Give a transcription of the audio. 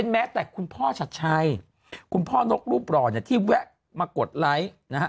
แม้แต่คุณพ่อชัดชัยคุณพ่อนกรูปหล่อเนี่ยที่แวะมากดไลค์นะฮะ